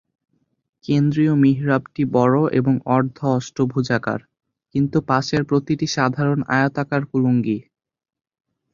কেন্দ্রীয় মিহরাবটি বড় এবং অর্ধঅষ্টভুজাকার, কিন্তু পাশের প্রতিটি সাধারণ আয়তাকার কুলুঙ্গি।